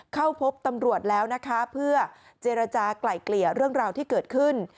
เข้าพบตำรวจแล้วนะคะเพื่อเจรจากลายเกลี่ยเรื่องราวที่เกิดขึ้น